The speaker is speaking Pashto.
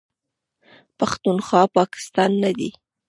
پښتونخوا، پاکستان نه دی.